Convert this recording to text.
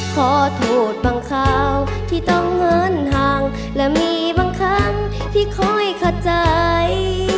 ขอโทษบางคราวที่ต้องเงินห่างและมีบางครั้งที่คอยเข้าใจ